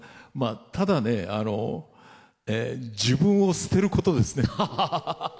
ただね、自分を捨てることですね。